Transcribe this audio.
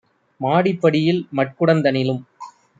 மாடிப் படியில் மட்குடந் தனிலும்